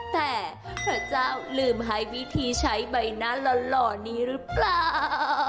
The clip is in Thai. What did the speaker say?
แต่พระเจ้าลืมให้วิธีใช้ใบหน้าหล่อนี้หรือเปล่า